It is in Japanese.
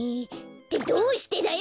ってどうしてだよ！